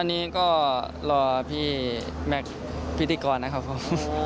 อันนี้ก็รอพี่แมปพิริติกรนะครับผม